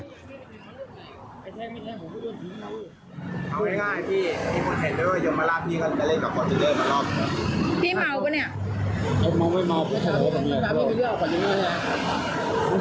เมาได้ง่ายพี่มีคนเห็นด้วยเดี๋ยวมาลากพี่กัน